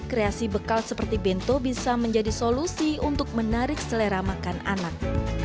kreasi bekal seperti bento bisa menjadi solusi untuk menarik selera makan anak